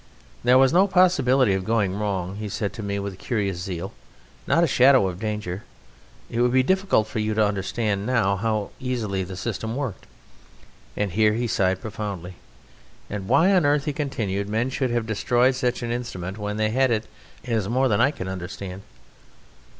"There was no possibility of going wrong," he said to me with curious zeal, "not a shadow of danger! It would be difficult for you to understand now how easily the system worked!" And here he sighed profoundly. "And why on earth," he continued, "men should have destroyed such an instrument when they had it is more than I can understand.